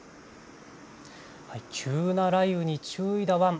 急な雷雨に注意だワン！